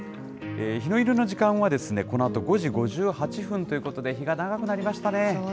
日の入りの時間はこのあと５時５８分ということで、日が長くなりましたね。